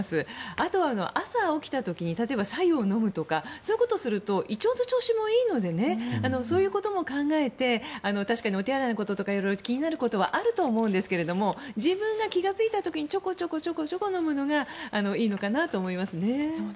あとは朝起きたときに例えば白湯を飲むとかそういうことをすると胃腸の調子もいいのでそういうことも考えて確かにお手洗いのこととか色々と気になることはあると思うんですが自分が気がついた時にちょこちょこ飲むのがいいのかなと思いますね。